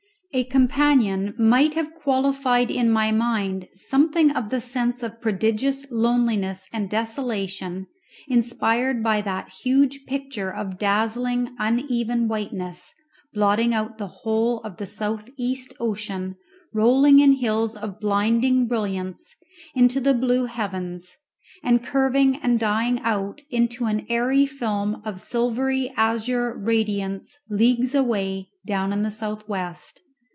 A companion might have qualified in my mind something of the sense of prodigious loneliness and desolation inspired by that huge picture of dazzling uneven whiteness, blotting out the whole of the south east ocean, rolling in hills of blinding brilliance into the blue heavens, and curving and dying out into an airy film of silvery azure radiance leagues away down in the south west.